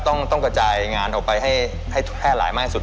ต้องกระจายงานออกไปให้แพร่หลายมากที่สุด